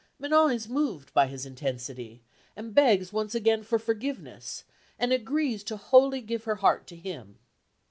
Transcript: Manon is moved by his intensity, and begs once again for forgiveness, and agrees to wholly give her heart to him.